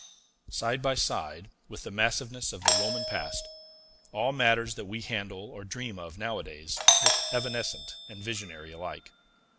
Side by side with the massiveness of the Roman Past, all matters that we handle or dream of nowadays look evanescent and visionary alike.